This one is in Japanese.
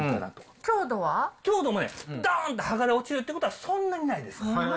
強度もね、どーんと剥がれ落ちるということはそんなにないです。